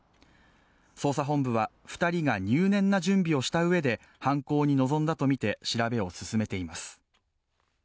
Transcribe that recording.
捜査本部は２人が入念な準備をしたうえで犯行に臨んだとみて調べを進めています